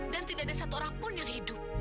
dan tidak ada satu orang pun yang hidup